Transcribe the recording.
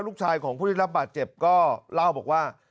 ลูกชายของผู้ได้รับบาดเจ็บก็เล่าบอกว่า